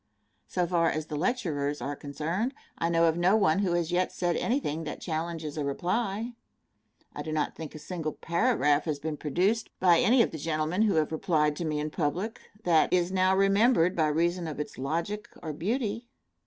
So far as the lecturers are concerned, I know of no one who has yet said anything that challenges a reply. I do not think a single paragraph has been produced by any of the gentlemen who have replied to me in public, that is now remembered by reason of its logic or beauty.